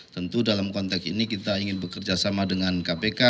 tentu dalam konteks ini kita ingin bekerjasama dengan kpk